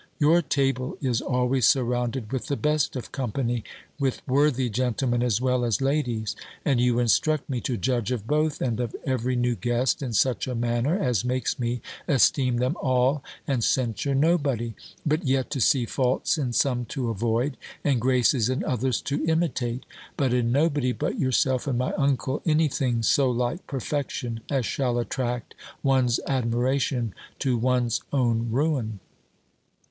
Your table is always surrounded with the best of company, with worthy gentlemen as well as ladies: and you instruct me to judge of both, and of every new guest, in such a manner, as makes me esteem them all, and censure nobody; but yet to see faults in some to avoid, and graces in others to imitate; but in nobody but yourself and my uncle, any thing so like perfection, as shall attract one's admiration to one's own ruin."